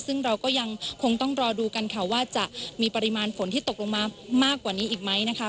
ซึ่งเราก็ยังคงต้องรอดูกันค่ะว่าจะมีปริมาณฝนที่ตกลงมามากกว่านี้อีกไหมนะคะ